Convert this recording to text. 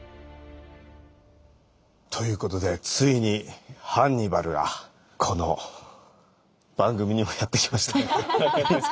ということでついにハンニバルがこの番組にもやってきました。